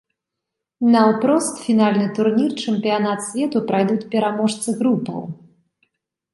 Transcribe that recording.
Наўпрост у фінальны турнір чэмпіянат свету прайдуць пераможцы групаў.